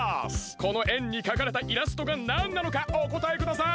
このえんにかかれたイラストがなんなのかおこたえください！